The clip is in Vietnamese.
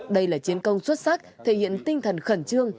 đây là chiến công xuất sắc thể hiện tinh thần khẩn trương